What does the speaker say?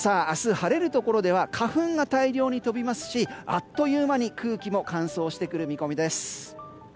明日晴れるところでは花粉が大量に飛びますしあっという間に空気も乾燥してくる見込みです。